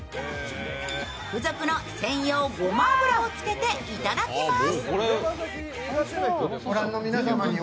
付属の専用ごま油をつけていただきます。